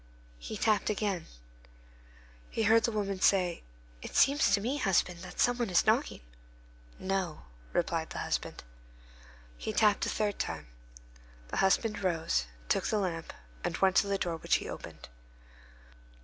He tapped again. He heard the woman say, "It seems to me, husband, that some one is knocking." "No," replied the husband. He tapped a third time. The husband rose, took the lamp, and went to the door, which he opened.